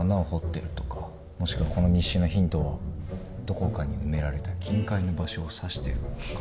もしくはこの日誌のヒントはどこかに埋められた金塊の場所を指してるとか。